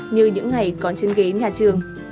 những ngày còn trên ghế nhà trường